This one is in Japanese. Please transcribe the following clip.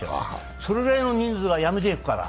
それぐらいの人数が辞めていくから。